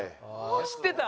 知ってた？